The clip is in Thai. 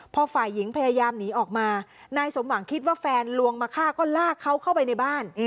พอฝ่ายหญิงพยายามหนีออกมานายสมหวังคิดว่าแฟนลวงมาฆ่าก็ลากเขาเข้าไปในบ้าน